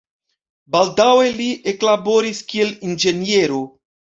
Baldaŭe li eklaboris, kiel inĝeniero.